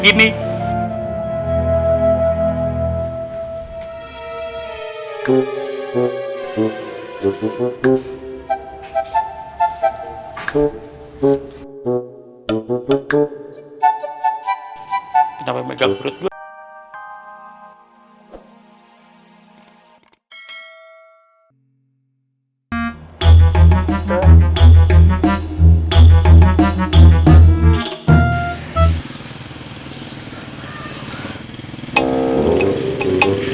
gini ketemu megang